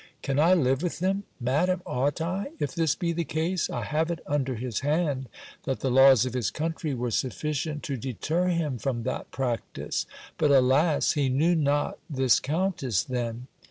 Can I live with him. Madam ought I if this be the case? I have it under his hand, that the laws of his country were sufficient to deter him from that practice. But alas! he knew not this countess then!